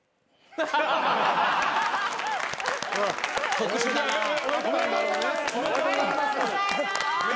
特殊だな。おめでとうございます。